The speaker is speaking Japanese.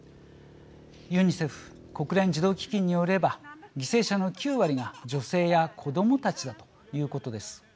ユニセフ国連児童基金によれば犠牲者の９割が女性や子どもたちだということです。